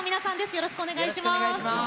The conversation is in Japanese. よろしくお願いします。